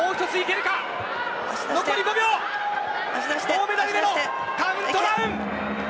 銅メダルへのカウントダウン。